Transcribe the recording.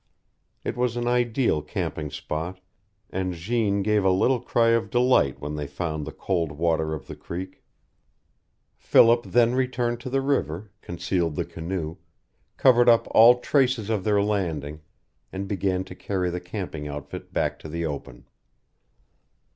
It was an ideal camping spot, and Jeanne gave a little cry of delight when they found the cold water of the creek. Philip then returned to the river, concealed the canoe, covered up all traces of their landing, and began to carry the camping outfit back to the open.